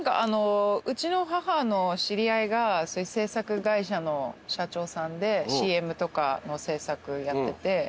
うちの母の知り合いがそういう制作会社の社長さんでＣＭとかの制作やってて。